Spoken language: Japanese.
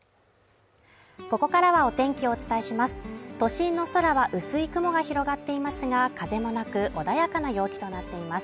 ここからはお天気をお伝えします都心の空は薄い雲が広がっていますが、風もなく穏やかな陽気となっています。